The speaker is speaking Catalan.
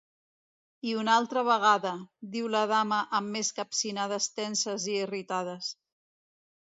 "I una altra vegada", diu la dama amb més capcinades tenses i irritades.